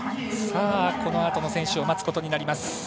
このあとの選手を待つことになります。